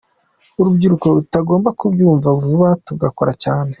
Urubyiruko tugomba kubyumva vuba tugakora cyane.